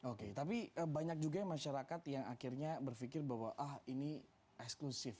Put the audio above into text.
oke tapi banyak juga masyarakat yang akhirnya berpikir bahwa ah ini eksklusif